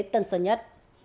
tân sơn nhất